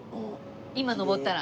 今上ったら。